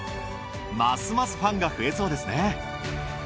ますますファンが増えそうですね。